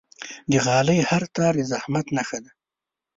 د غالۍ هر تار د زحمت نخښه ده.